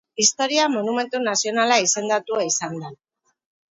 Historia Monumentu Nazionala izendatua izan da.